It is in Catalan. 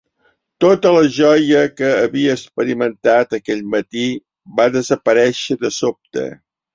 Tota la joia que havia experimentat aquell matí va desaparèixer de sobte.